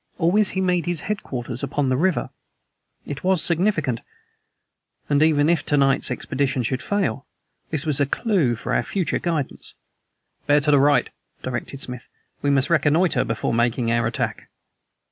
Always he made his headquarters upon the river. It was significant; and even if to night's expedition should fail, this was a clew for our future guidance. "Bear to the right," directed Smith. "We must reconnoiter before making our attack."